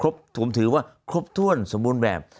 ผมถือว่าครบถ้วนสมบูรณ์แบบ